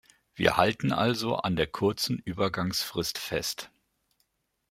Wir halten also an der kurzen Übergangsfrist fest.